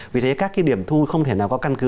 vì thế các điểm thu không thể nào có căn cứ